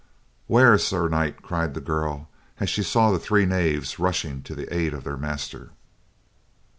"Ware! Sir Knight," cried the girl, as she saw the three knaves rushing to the aid of their master.